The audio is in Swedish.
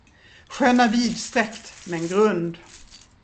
Sjön är vidsträckt men grund.